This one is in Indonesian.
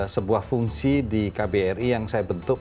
sebuah fungsi di kbri yang saya bentuk